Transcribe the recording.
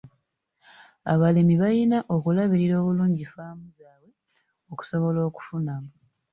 Abalimi balina okulabirira obulungi ffaamu zaabwe okusobola okufunamu.